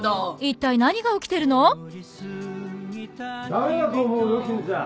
・駄目だと思うよ絹ちゃん。